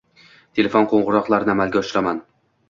telefon qoʻngʻiroqlarini amalga oshiraman.